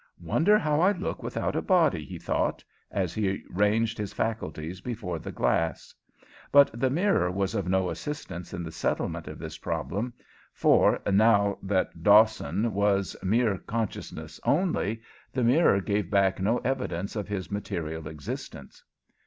"Wonder how I look without a body?" he thought, as he ranged his faculties before the glass. But the mirror was of no assistance in the settlement of this problem, for, now that Dawson was mere consciousness only, the mirror gave back no evidence of his material existence.